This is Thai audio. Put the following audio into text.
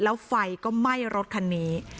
แล้วไฟก็ไหม้รถคันนี้